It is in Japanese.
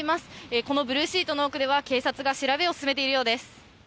このブルーシートの奥では警察が調べを進めているようです。